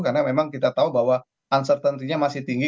karena memang kita tahu bahwa uncertainty nya masih tinggi